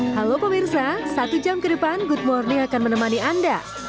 halo pemirsa satu jam ke depan good morning akan menemani anda